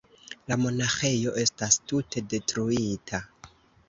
La monaĥejo estas tute detruita.